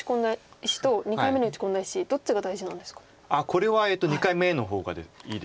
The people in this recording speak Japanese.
これは２回目の方がいいです。